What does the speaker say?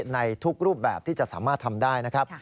ในทุกรูปแบบที่จะสามารถทำได้นะครับ